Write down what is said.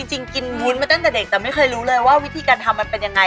จริงกินวุ้นมาตั้งแต่เด็กแต่ไม่เคยรู้เลยว่าวิธีการทำมันเป็นยังไง